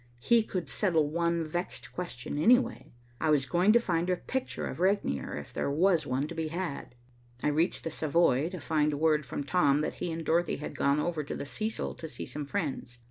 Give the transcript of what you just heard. He could settle one vexed question anyway. I was going to find a picture of Regnier if there was one to be had. I reached the Savoy to find word from Tom that he and Dorothy had gone over to the Cecil to see some friends.